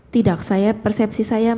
tidak saya persepsi saya